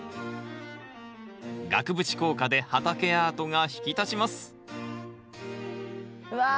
額縁効果で畑アートが引き立ちますわ！